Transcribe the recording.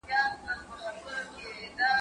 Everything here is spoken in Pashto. زه بايد مڼې وخورم؟